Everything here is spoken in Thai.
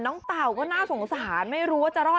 เฮ้ยเฮ้ยเฮ้ยเฮ้ยเฮ้ย